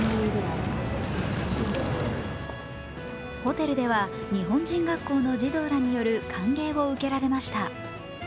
ホテルでは、日本人学校の児童らによる歓迎を受けられました。